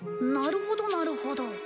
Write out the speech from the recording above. なるほどなるほど。